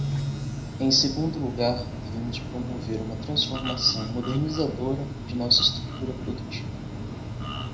Em segundo lugar, devemos promover uma transformação modernizadora de nossa estrutura produtiva.